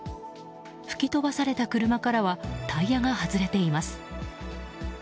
吹き飛ばされた車からはタイヤが外れています。